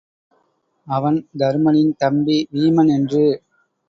அவன் தருமனின் தம்பி வீமன் என்று.